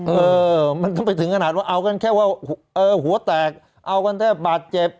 เออมันต้องไปถึงขนาดว่าเอากันแค่ว่าเออหัวแตกเอากันแทบบาดเจ็บ